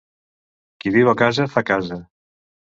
Qui viu a casa fa casa.